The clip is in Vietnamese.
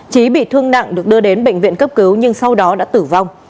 trí bị thương nặng được đưa đến bệnh viện cấp cứu nhưng sau đó đã tử vong